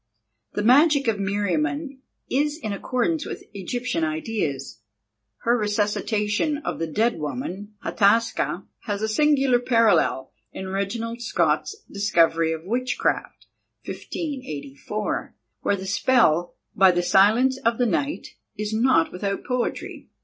The Magic of Meriamun is in accordance with Egyptian ideas; her resuscitation of the dead woman, Hataska, has a singular parallel in Reginald Scot's Discovery of Witchcraft (1584), where the spell "by the silence of the Night" is not without poetry.